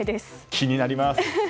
気になります。